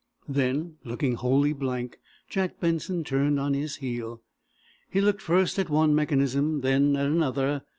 Then, looking wholly blank, Jack Benson turned on his heel. He looked first at one mechanism, then at another.